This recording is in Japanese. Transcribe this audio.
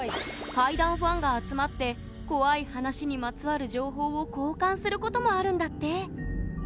怪談ファンが集まって怖い話にまつわる情報を交換することもあるんだって！